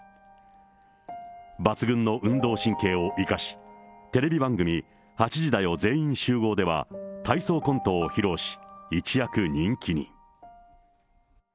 抜群の運動神経を生かし、テレビ番組、８時だヨ！全員集合では体操コントを披露し、一躍人気に。